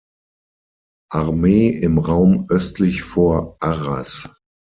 Armee im Raum östlich vor Arras.